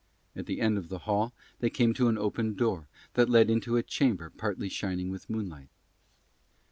At the end of the hall they came to an open door that led into a chamber partly shining with moonlight.